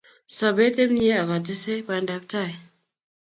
sobet emyee akatesei bandab tai